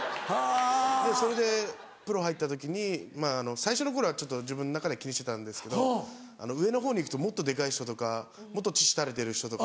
それでプロ入った時に最初の頃はちょっと自分の中で気にしてたんですけど上のほうに行くともっとデカい人とかもっと乳垂れてる人とか。